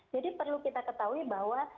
jadi perlu kita ketahui bahwa